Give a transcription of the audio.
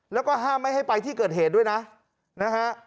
แล้วก็ห้ามไม่ให้ไปที่เกิดเหตุด้วยนะนะฮะ